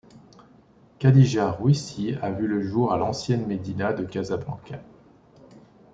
Khadija Rouissi a vu le jour à l'ancienne Medina de Casablanca.